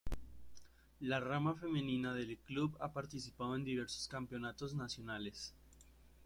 La rama femenina del club ha participado en diversos campeonatos nacionales.